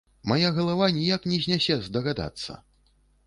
Мая галава ніяк не знясе здагадацца.